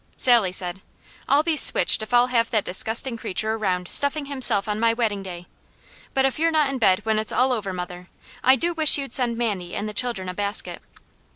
Sally said: "I'll be switched if I'll have that disgusting creature around stuffing himself on my wedding day; but if you're not in bed, when it's all over, mother, I do wish you'd send Mandy and the children a basket."